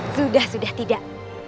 sudah sudah tidak